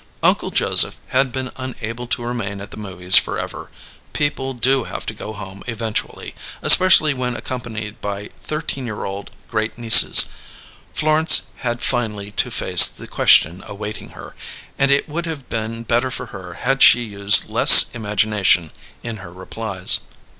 Uncle Joseph had been unable to remain at the movies forever: people do have to go home eventually, especially when accompanied by thirteen year old great nieces. Florence had finally to face the question awaiting her; and it would have been better for her had she used less imagination in her replies.